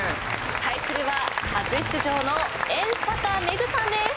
対するは初出場の遠坂めぐさんです。